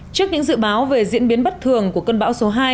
trước những dự báo về diễn biến bất thường của cơn bão số hai